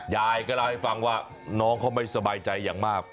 ยายก็เล่าให้ฟังว่าน้องเขาไม่สบายใจอย่างมาก